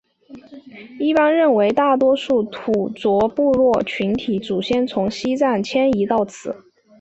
一般认为大多数土着部落群体的祖先从西藏迁移到此。